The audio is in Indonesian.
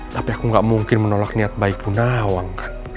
tapi aku nggak mungkin menolak niat baik bu nawang kan